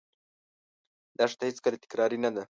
دښته هېڅکله تکراري نه ده.